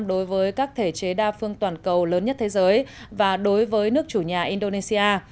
đối với các thể chế đa phương toàn cầu lớn nhất thế giới và đối với nước chủ nhà indonesia